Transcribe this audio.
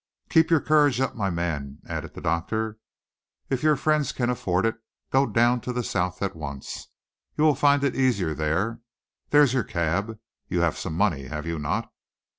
"Keep your courage up, my man," added the doctor. "If your friends can afford it, go down to the South at once. You will find it easier there. There's your cab. You have some money, have you not?"